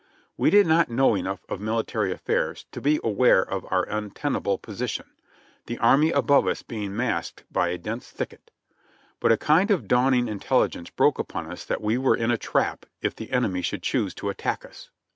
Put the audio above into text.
We did not know enough of military affairs to be aware of our untenable position, the enemy above us being masked by a dense thicket ; but a kind of dawning intelligence broke upon us that we were in a trap if the enemy should choose to attack us.